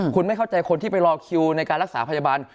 คุณไม่เข้าใจคนที่ไปรอคิวในการรักษาพยาบาล